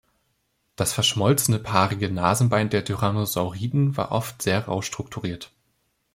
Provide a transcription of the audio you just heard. Das verschmolzene paarige Nasenbein der Tyrannosauriden war oft sehr rau strukturiert.